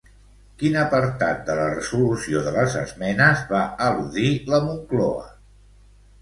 Quin apartat de la resolució de les esmenes va eludir la Moncloa?